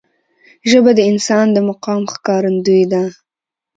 ژبه د انسان د مقام ښکارندوی ده